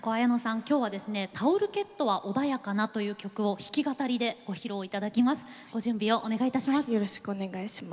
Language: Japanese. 今日は「タオルケットは穏やかな」弾き語りでご披露いただきます。